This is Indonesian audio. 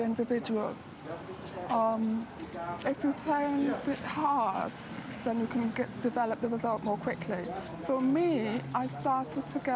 anda bisa mengambil balik dari orang